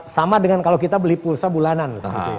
sama dengan kalau kita beli pulsa bulanan